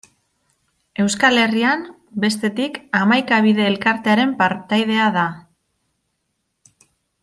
Euskal Herrian, bestetik, Hamaika Bide Elkartearen partaidea da.